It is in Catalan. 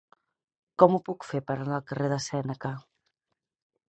Com ho puc fer per anar al carrer de Sèneca?